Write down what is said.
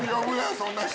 そんな人。